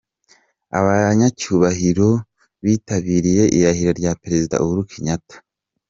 Abanyacyubahiro bitabiriye irahira rya Perezida Uhuru Kenyatta.